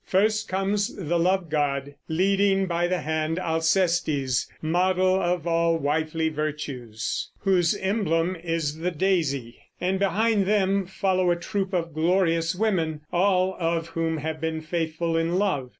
First comes the love god, leading by the hand Alcestis, model of all wifely virtues, whose emblem is the daisy; and behind them follow a troup of glorious women, all of whom have been faithful in love.